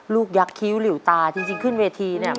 ลูกยักษ์คิาวเหลี่ยวตาที่จริงขึ้นเวทีเนี่ย